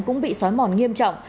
cũng bị xói mòn nghiêm trọng